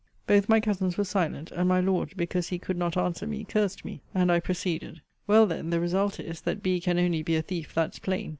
Both my cousins were silent; and my Lord, because he could not answer me, cursed me; and I proceeded. Well then, the result is, that B can only be a thief; that's plain.